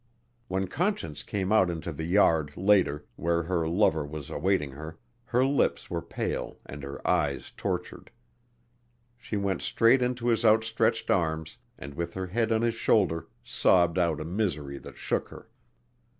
When Conscience came out into the yard later, where her lover was awaiting her, her lips were pale and her eyes tortured. She went straight into his outstretched arms and with her head on his shoulder sobbed out a misery that shook her.